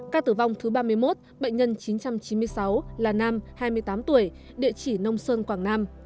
ca tử vong thứ ba mươi một bệnh nhân chín trăm chín mươi sáu là nam hai mươi tám tuổi địa chỉ nông sơn quảng nam